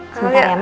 semangat ya ma